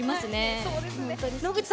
そうですね。